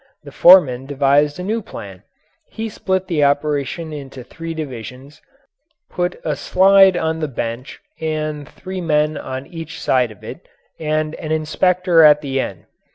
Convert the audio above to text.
The foreman devised a new plan; he split the operation into three divisions, put a slide on the bench and three men on each side of it, and an inspector at the end.